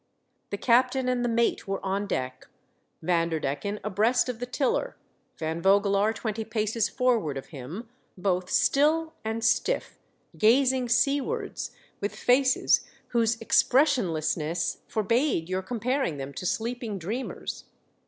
The captain and the mate were on deck, Vanderdecken abreast of the tiller, Van Vogelaar twenty paces forward of him, both still and stiff, gazing seawards with faces whose expressionlessness forbade your com paring them to sleeping dreamers.